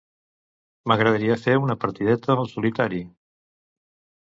M'agradaria fer una partideta al "Solitari".